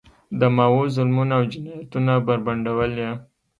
د ماوو ظلمونه او جنایتونه بربنډول یې.